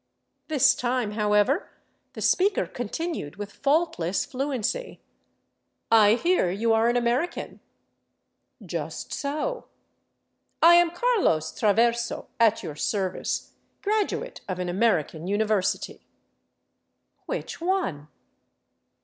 This time, however, the speaker continued with faultless fluency: " I hear you are an American." " Just so." " I am Carlos Traverso, at your service ; graduate of an American university." "Which one?"